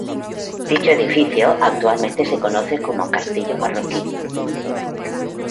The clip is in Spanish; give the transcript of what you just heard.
Dicho edificio actualmente se conoce como Castillo Marroquín.